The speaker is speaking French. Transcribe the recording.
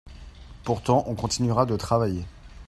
Pourtant on continuera de travailler.